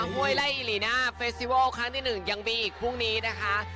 ห้วยไล่อีหลีน่าเฟสติวัลครั้งที่๑ยังมีอีกพรุ่งนี้นะคะ